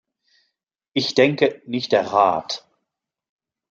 Ich denke, nicht der Rat.